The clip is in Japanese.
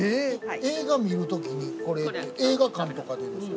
映画見る時にこれって映画館とかでですか？